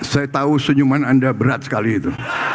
saya tahu senyuman anda berat sekali itu